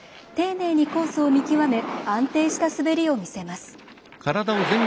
丁寧にコースを見極め安定した滑りを見せます。